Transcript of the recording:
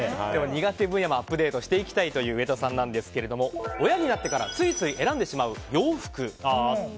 苦手分野もアップデートしていきたいという上戸さんですが親になってからついつい選んでしまう洋服。